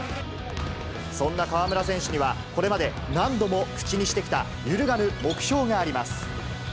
そんな河村選手には、これまで何度も口にしてきた、揺るがぬ目標があります。